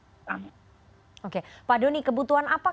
pak doni kebutuhan apa kemudian yang paling mendesak dari para pemerintah